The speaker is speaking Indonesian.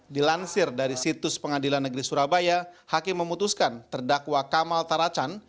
dilansir dari situs pengadilan negeri surabaya hakim memutuskan terdakwa kamal taracan